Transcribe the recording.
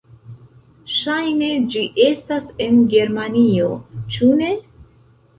Ŝajne ĝi estas en Germanio, ĉu ne?